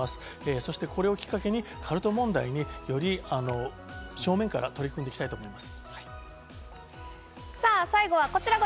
そして、これをきっかけにカルト問題により正面から取り組んでいきたいと思います。